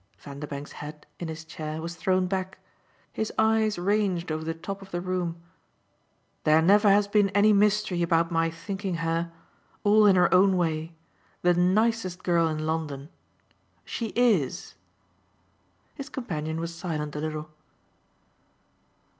Vanderbank's head, in his chair, was thrown back; his eyes ranged over the top of the room. "There never has been any mystery about my thinking her all in her own way the nicest girl in London. She IS." His companion was silent a little.